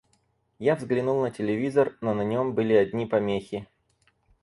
Я взглянул на телевизор, но на нём были одни помехи.